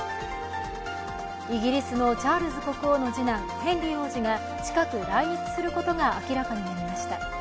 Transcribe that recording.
イギリスのチャールズ国王の次男・ヘンリー王子が近く来日することが明らかになりました。